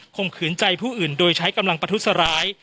มขืนใจผู้อื่นโดยใช้กำลังประทุษร้าย